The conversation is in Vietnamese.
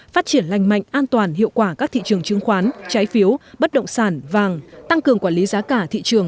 phát triển lành mạnh an toàn hiệu quả các thị trường chứng khoán trái phiếu bất động sản vàng tăng cường quản lý giá cả thị trường